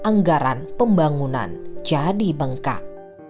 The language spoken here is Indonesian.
anggaran pembangunan jadi bengkak